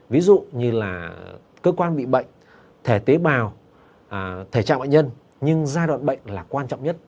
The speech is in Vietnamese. ví dụ như là cơ quan bị bệnh thẻ tế bào thể trạng bệnh nhân nhưng giai đoạn bệnh là quan trọng nhất